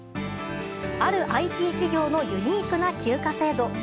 あるＩＴ企業のユニークな休暇制度。